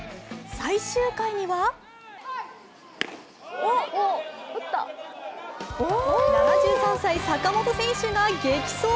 最終回には７３歳、坂本選手が激走。